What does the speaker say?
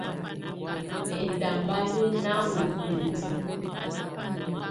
Ɛtamba yɛ ná ŋɔ́ bindiǝ́.